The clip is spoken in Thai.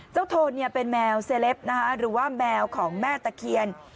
เจ้าโทนเนี่ยเป็นแมวเซลปนะฮะหรือว่าแมวของแม่ตะเคียน